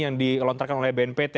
yang dilontarkan oleh bnpt